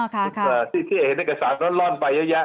อ๋อค่ะค่ะที่เห็นเอกสารร่อนร่อนไปเยอะแยะ